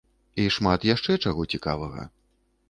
І шмат яшчэ чаго цікавага.